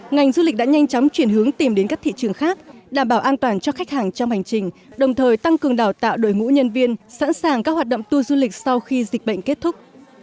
ngành du lịch đã nhanh chóng chuyển hướng tìm đến các thị trường khác đảm bảo an toàn cho khách hàng trong hành trình đồng thời tăng cường đào tạo đội ngũ nhân viên sẵn sàng các hoạt động tua du lịch sau khi dịch bệnh kết thúc